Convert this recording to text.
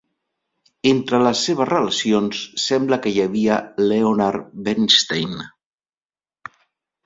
Entre les seves relacions, sembla que hi havia Leonard Bernstein.